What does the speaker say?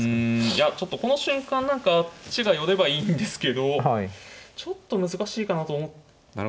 いやちょっとこの瞬間何かあっちが寄ればいいんですけどちょっと難しいかなと思ったけど。